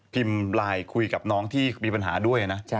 ไลน์คุยกับน้องที่มีปัญหาด้วยนะ